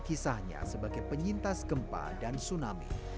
kisahnya sebagai penyintas gempa dan tsunami